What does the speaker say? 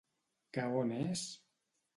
Que on és...